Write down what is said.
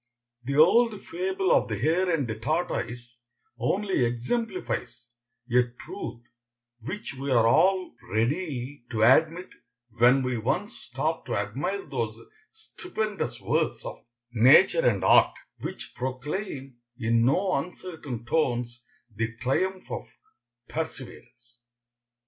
The old fable of the hare and the tortoise only exemplifies a truth which we are all ready to admit when we once stop to admire those stupendous works of nature and art, which proclaim in no uncertain tones the triumph of perseverance.